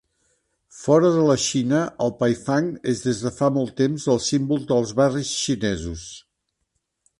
Fora de la Xina, el paifang és des de fa molt de temps el símbol dels barris xinesos.